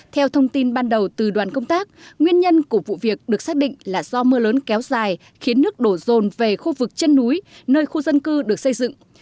theo thông tin ban đầu từ đoàn công tác nguyên nhân của vụ việc được xác định là do mưa lớn kéo dài khiến nước đổ rồn về khu vực chân núi nơi khu dân cư được xây dựng